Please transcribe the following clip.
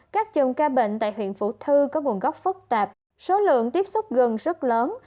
các chùm ca bệnh tại huyện phủ thư có nguồn gốc phức tạp số lượng tiếp xúc gần rất lớn